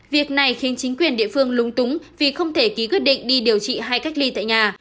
việc này khiến chính quyền địa phương lúng túng vì không thể ký quyết định đi điều trị hay cách ly tại nhà